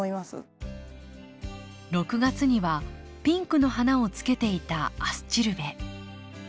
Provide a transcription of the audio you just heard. ６月にはピンクの花をつけていたアスチルベ。